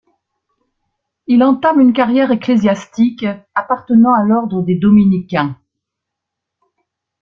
Il entame une carrière ecclésiastique, appartenant à l'ordre des dominicains.